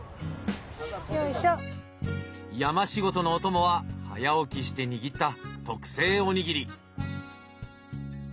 山仕事のお供は早起きして握った特製お握り。